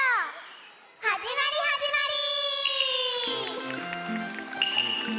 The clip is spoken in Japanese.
はじまりはじまり。